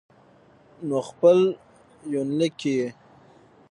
نو په خپل يونليک کې يې